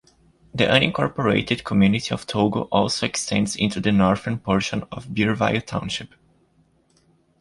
The unincorporated community of Togo also extends into the northern portion of Bearville Township.